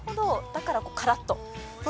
だからカラッと。